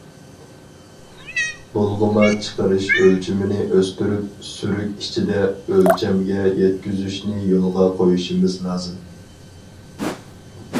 بۇلغىما چىقىرىش ئۆلچىمىنى ئۆستۈرۈپ، سۈرۈك ئىچىدە ئۆلچەمگە يەتكۈزۈشنى يولغا قويۇشىمىز لازىم.